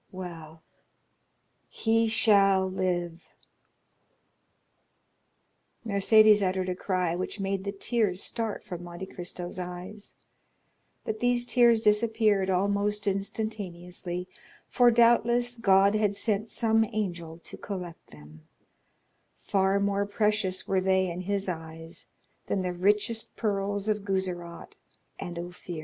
Well, he shall live!" Mercédès uttered a cry which made the tears start from Monte Cristo's eyes; but these tears disappeared almost instantaneously, for, doubtless, God had sent some angel to collect them—far more precious were they in his eyes than the richest pearls of Guzerat and Ophir.